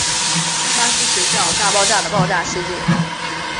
巴斯学校大爆炸的爆炸事件。